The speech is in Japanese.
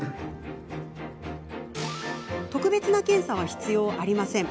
特別な検査は必要ありません。